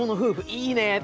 いいね。